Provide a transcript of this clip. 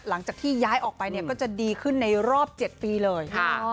หลังจากที่ย้ายออกไปเนี่ยก็จะดีขึ้นในรอบ๗ปีเลย